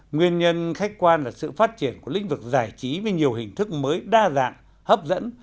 nguyên nhân khách quan là sự phát triển của lĩnh vực giải trí với nhiều hình thức mới đa dạng hấp dẫn